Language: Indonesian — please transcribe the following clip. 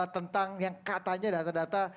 tentang yang katanya data data